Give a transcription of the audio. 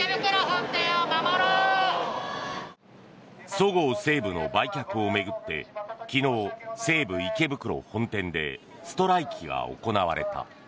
そごう・西武の売却を巡って昨日、西武池袋本店でストライキが行われた。